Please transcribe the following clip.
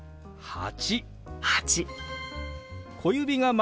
「８」。